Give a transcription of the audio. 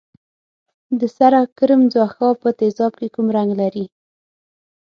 د سره کرم ځوښا په تیزاب کې کوم رنګ لري؟